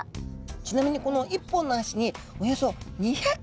ちなみにこの１本の足におよそ２００個もの吸盤が。